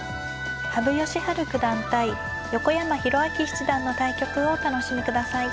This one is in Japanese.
羽生善治九段対横山泰明七段の対局をお楽しみください。